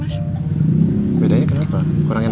rasanya penuh dengan cinta kalo kamu yang suapin